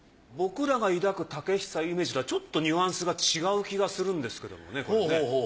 僕らが抱く竹久夢二とはちょっとニュアンスが違う気がするんですけどもねこれね。